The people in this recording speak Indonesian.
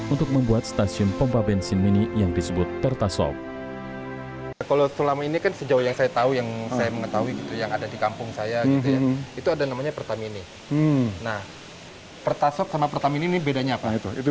untuk membuat stasiun pom bensin mini yang disebut pertasop